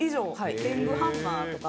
天狗ハンマーとか。